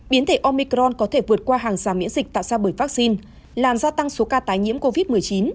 biến thể omicron có thể vượt qua hàng rào miễn dịch tạo ra bởi vaccine làm gia tăng số ca tái nhiễm covid một mươi chín